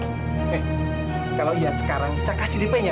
eh kalau iya sekarang saya kasih dp nya